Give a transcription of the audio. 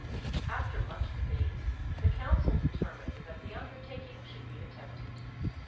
After much debate, the council determined that the undertaking should be attempted.